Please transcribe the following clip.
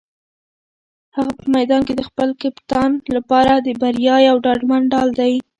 هغه په میدان کې د خپل کپتان لپاره د بریا یو ډاډمن ډال دی.